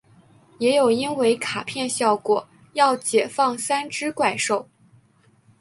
也有因为卡片效果要解放三只怪兽。